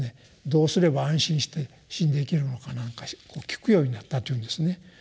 「どうすれば安心して死んでいけるのか」なんか聞くようになったというんですね。